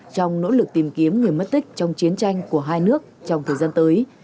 trong nỗ lực tìm kiếm người mất tích trong chiến tranh của hai nước trong thời gian tới